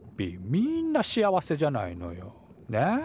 みんな幸せじゃないのよね？